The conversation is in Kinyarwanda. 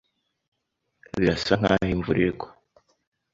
Birasa nkaho imvura igwa.